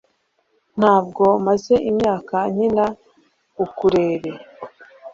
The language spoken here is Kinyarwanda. Ntabwo maze imyaka nkina ukulele